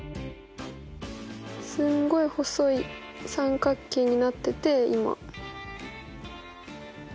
すんごい細い三角形になってて今。